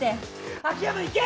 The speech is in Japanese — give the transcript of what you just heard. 秋山いけ！